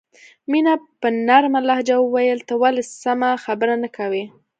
مینه په نرمه لهجه وویل ته ولې سمه خبره نه کوې